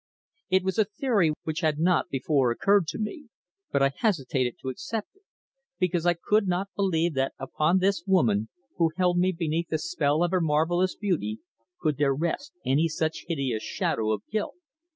It was a theory which had not before occurred to me, but I hesitated to accept it, because I could not believe that upon this woman who held me beneath the spell of her marvellous beauty could there rest any such hideous shadow of guilt.